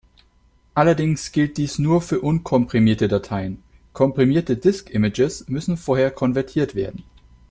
Allerdings gilt dies nur für unkomprimierte Dateien, komprimierte Disk Images müssen vorher konvertiert werden.